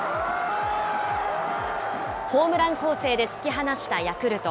ホームラン攻勢で突き放したヤクルト。